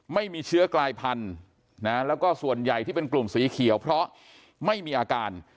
ไม่มีเชื้อกลายพันธุ์นะแล้วก็ส่วนใหญ่ที่เป็นกลุ่มสีเขียวเพราะไม่มีอาการ